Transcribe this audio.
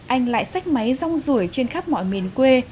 anh lại xách máy rong rủi trên khắp mọi miền quê